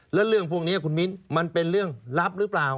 แล้วเรื่องพวกนี้คุณมิ้นมันเป็นเรื่องลับหรือเปล่า